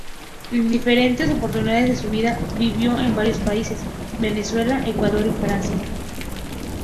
En diferentes oportunidades de su vida, vivió en varios países: Venezuela, Ecuador y Francia.